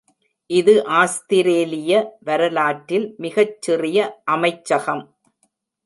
இது ஆஸ்திரேலிய வரலாற்றில் மிகச்சிறிய அமைச்சகம்.